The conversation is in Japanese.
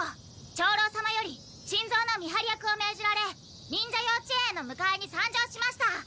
長老様より珍蔵の見張り役を命じられ忍者幼稚園への迎えに参上しました。